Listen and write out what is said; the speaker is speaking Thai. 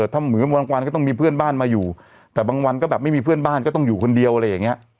ถ้าเหมือนบางวันก็ต้องมีเพื่อนบ้านมาอยู่แต่บางวันก็แบบไม่มีเพื่อนบ้านก็ต้องอยู่คนเดียวอะไรอย่างเงี้ย